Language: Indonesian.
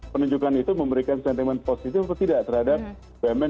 penunjukan itu memberikan sentimen positif atau tidak terhadap bumn